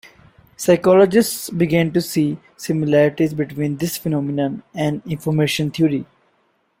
Psychologists began to see similarities between this phenomenon and Information Theory.